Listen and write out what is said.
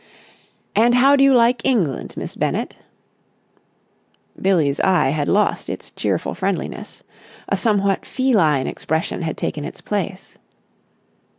"And how do you like England, Miss Bennett?" Billie's eye had lost its cheerful friendliness. A somewhat feline expression had taken its place.